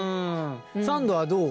サンドはどう？